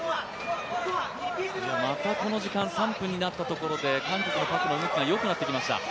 また、この時間３分になったところで韓国のパクがよくなってきました。